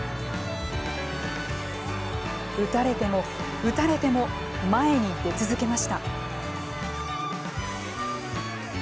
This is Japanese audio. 打たれても、打たれても前に出続けました。